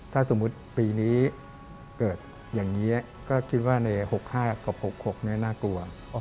ถ้าสมมุติปีนี้เกิดอย่างนี้ก็คิดว่าใน๖๕กับ๖๖น่ากลัว